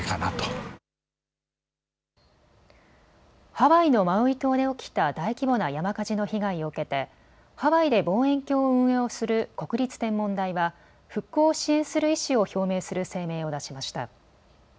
ハワイのマウイ島で起きた大規模な山火事の被害を受けてハワイで望遠鏡を運用する国立天文台は復興を支援する意思を表明する声明を出しました。